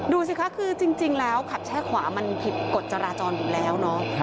ดูสิคะคือจริงแล้วขับแช่ขวามันผิดกฎจราจรอยู่แล้วเนาะ